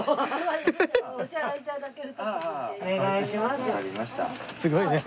すごいね。